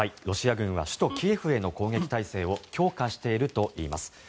ロシア軍は首都キエフへの攻撃態勢を強化しているといいます。